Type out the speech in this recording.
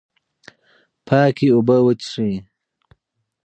پاکې اوبه وڅښئ.